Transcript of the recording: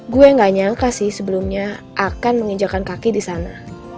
gue gak nyangka sih sebelumnya akan menginjakan kaki di sana